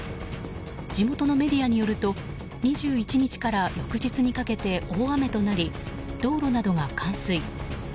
地元のメディアによると２１日から翌日にかけて大雨となり道路などが冠水。